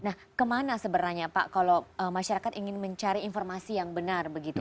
nah kemana sebenarnya pak kalau masyarakat ingin mencari informasi yang benar begitu